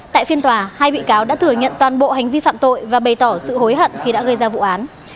tại phiên tòa hai bị cáo đã thừa nhận toàn bộ hành vi phạm tội và bày tỏ sự hối hận khi đã gây ra vụ án